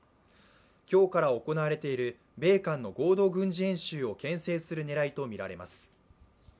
今日から行われている米韓の合同軍事演習をけん制する狙いとみられます。